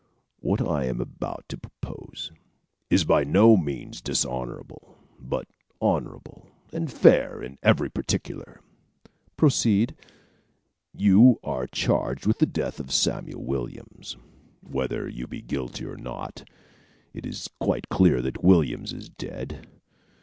"What I am about to propose is by no means dishonorable, but honorable and fair in every particular." "Proceed." "You are charged with the death of Samuel Williams. Whether you be guilty or not, it is quite clear that Williams is dead.